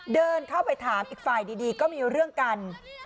เดินเข้าไปถามอีกฝ่ายดีก็มีเรื่องกัน